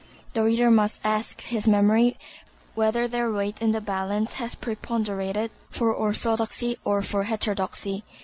The reader must ask his memory whether their weight in the balance has preponderated for orthodoxy or for heterodoxy.